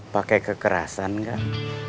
pakai kekerasan kan